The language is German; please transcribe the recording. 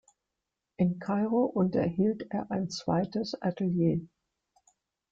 In Kairo unterhielt er ein zweites Atelier.